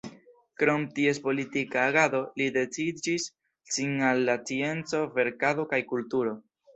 Krom ties politika agado, li dediĉis sin al la scienco, verkado kaj kulturo.